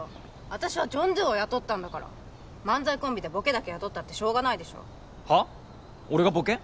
私はジョン・ドゥを雇ったんだから漫才コンビでボケだけ雇ったってしょうがないでしょはっ？俺がボケ？